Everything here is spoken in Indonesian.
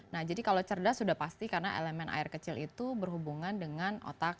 nah jadi kalau cerdas sudah pasti karena elemen air kecil itu berhubungan dengan otak